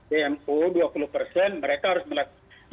yang melakukan ekspor dmo dua puluh persen mereka harus melakukan